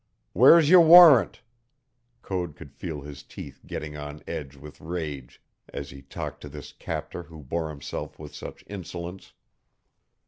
"Where's your warrant?" Code could feel his teeth getting on edge with rage as he talked to this captor who bore himself with such insolence.